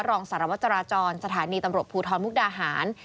รองสารวจราจรสถานีตำรวจภูทรมุกดาหาร